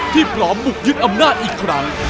พร้อมบุกยึดอำนาจอีกครั้ง